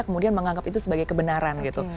kemudian menganggap itu sebagai kebenaran gitu